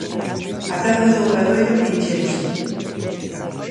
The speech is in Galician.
A Praza do Obradoiro encheuse.